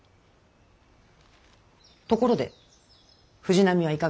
ところで藤波はいかがであった？